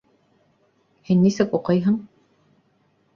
Һин нисек уҡыйһың?